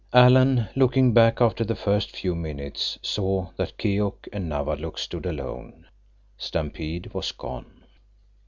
Alan, looking back after the first few minutes, saw that Keok and Nawadlook stood alone. Stampede was gone.